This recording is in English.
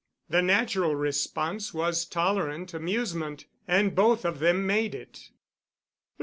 The natural response was tolerant amusement, and both of them made it.